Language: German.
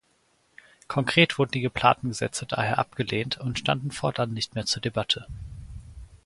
Konkret wurden die geplanten Gesetze daher abgelehnt und standen fortan nicht mehr zur Debatte.